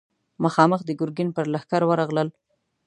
مخامخ د ګرګين پر لښکر ورغلل.